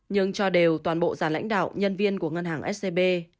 nhưng cho đều toàn bộ giả lãnh đạo nhân viên của ngân hàng scb